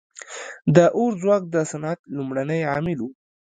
• د اور ځواک د صنعت لومړنی عامل و.